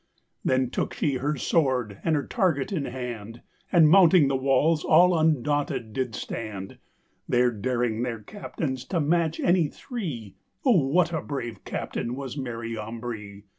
Then tooke shee her sword and her targett in hand, And mounting the walls all undaunted did stand, There daring their captaines to match any three: O what a brave captaine was Mary Ambree!